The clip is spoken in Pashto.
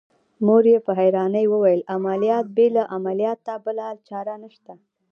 مور يې په حيرانۍ وويل عمليات بې له عملياته بله چاره نشته.